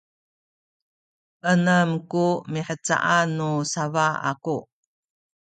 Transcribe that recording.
enem ku mihcaan nu sabana aku